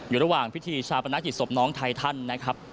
ระหว่างพิธีชาปนกิจศพน้องไททันนะครับ